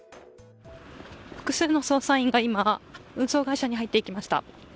複数の捜査員が今、運送会社に入っていきました。